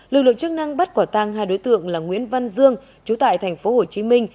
lực lượng chức năng bắt quả tang hai đối tượng là nguyễn văn dương chú tại tp hcm